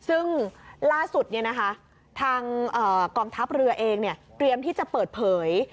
ซึ่งล่าสุดทางกองทัพเรือเองเตรียมที่จะเปิดเผย